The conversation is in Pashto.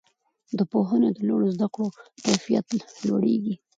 د پوهنې او لوړو زده کړو کیفیت لوړیږي.